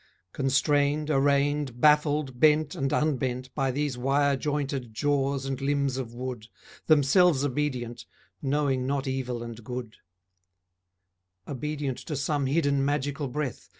Constrained, arraigned, baffled, bent and unbent By these wire jointed jaws and limbs of wood, Themselves obedient, Knowing not evil and good; Obedient to some hidden magical breath.